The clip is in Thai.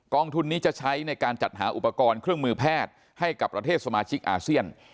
ทุนนี้จะใช้ในการจัดหาอุปกรณ์เครื่องมือแพทย์ให้กับประเทศสมาชิกอาเซียน